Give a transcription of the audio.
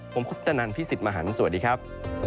ผมคุปตนันพี่สิทธิ์มหันฯสวัสดีครับ